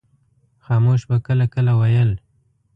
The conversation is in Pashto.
خاموش به کله کله ویل.